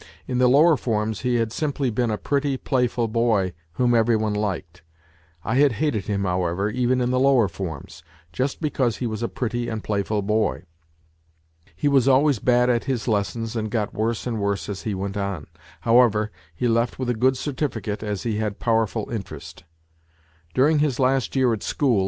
In the lower forms he had simply been a pretty, playful boy whom everybody liked. I had hated him, however, even in the lower forms, just because he was a pretty and playful boy. He was always bad at his lessons and got worse and worse as he went on ; however, he left with a good certificate, as he had powerful interest. During his last year at school.